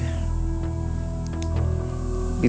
surah apa ini